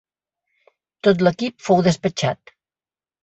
Tot l’equip fou despatxat.